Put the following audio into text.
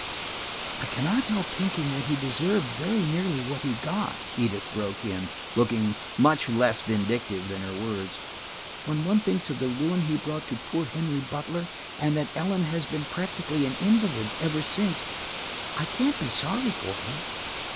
"I can not help thinking that he deserved very nearly what he got," Edith broke in, looking much less vindictive than her words. "When one thinks of the ruin he brought to poor Henry Butler, and that Ellen has been practically an invalid ever since, I can't be sorry for him."